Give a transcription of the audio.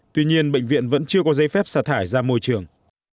tuy nhiên bệnh viện vẫn chưa có giấy phép xả thải ra môi trường